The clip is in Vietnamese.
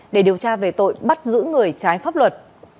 để điều tra về tội bắt giữ người trái pháp luật